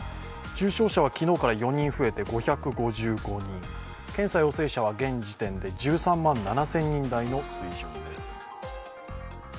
重症者は昨日から４人増えて５５５人検査陽性者は現時点で１３万７０００人台の水準です。